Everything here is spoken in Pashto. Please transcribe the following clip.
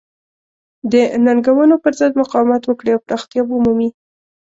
د ننګونو پرضد مقاومت وکړي او پراختیا ومومي.